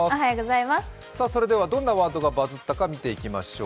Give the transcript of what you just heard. それではどんなワードがバズったか見ていきましょう。